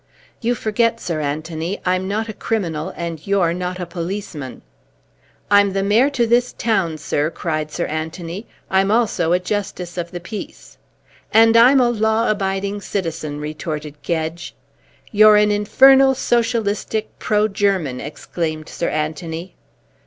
"You forget, Sir Anthony, I'm not a criminal and you're not a policeman." "I'm the Mayor to this town, sir," cried Sir Anthony. "I'm also a Justice of the Peace." "And I'm a law abiding citizen," retorted Gedge. "You're an infernal socialistic pro German," exclaimed Sir Anthony.